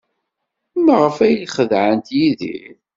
Maɣef ay xedɛent Yidir?